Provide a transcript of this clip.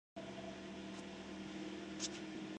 El programa es la versión del programa coreano "We Got Married".